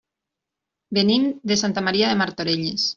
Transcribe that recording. Venim de Santa Maria de Martorelles.